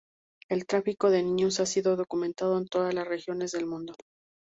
El tráfico de niños ha sido documentado en todas las regiones del mundo.